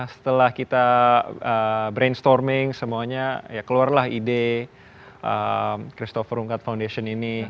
setelah kita brainstorming semuanya ya keluarlah ide christopher rungkat foundation ini